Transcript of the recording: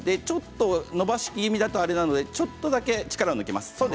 伸ばし気味だとあれですのでちょっとだけ力を抜きます。